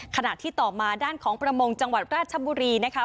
ขณะที่ต่อมาด้านของประมงจังหวัดราชบุรีนะคะ